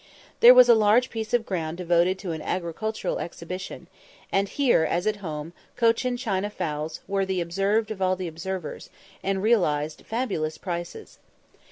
There was a large piece of ground devoted to an agricultural exhibition; and here, as at home, Cochin China fowls were "the observed of all observers," and realised fabulous prices.